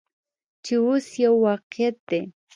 چې اوس یو واقعیت دی.